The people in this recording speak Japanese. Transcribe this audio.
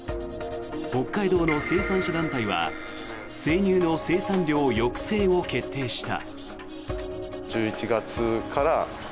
北海道の生産者団体は生乳の生産量抑制を決定した。